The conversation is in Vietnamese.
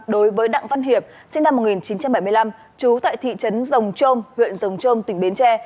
đối với đặng văn hiệp sinh năm một nghìn chín trăm bảy mươi năm trú tại thị trấn rồng trôm huyện rồng trôm tỉnh bến tre